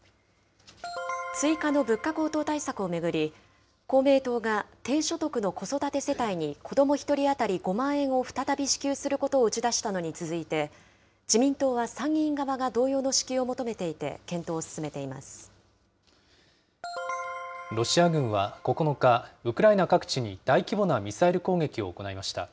追加の物価高騰対策を巡り、公明党が低所得の子育て世帯に子ども１人当たり５万円を再び支給することを打ち出したのに続いて、自民党は参議院側が同様の支給をロシア軍は９日、ウクライナ各地に大規模なミサイル攻撃を行いました。